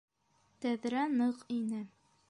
Тәҙрә ныҡ ине.